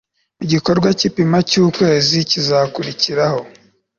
mu gikorwa cy'ipima cy'ukwezi kuzakurikiraho